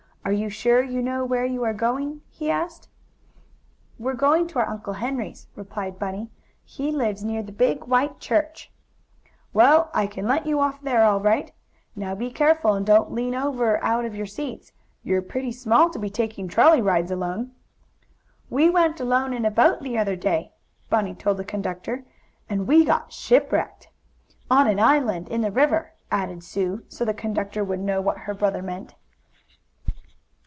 "Are you sure you know where you are going?" he asked. "We're going to our Uncle Henry's," replied Bunny. "And he lives near the big, white church." "Well, I can let you off there all right. Now be careful, and don't lean over out of your seats. You're pretty small to be taking trolley rides alone." "We went alone in a boat the other day," Bunny told the conductor, "and we got shipwrecked." "On an island in the river," added Sue, so the conductor would know what her brother meant.